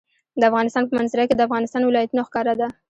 د افغانستان په منظره کې د افغانستان ولايتونه ښکاره ده.